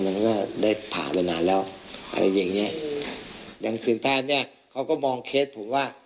มันก็ได้ผ่าไปนานแล้วอะไรอย่างเงี้ยดังคืนตามเนี้ยเขาก็มองเคสผมว่า